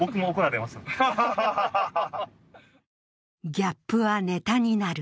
ギャップはネタになる。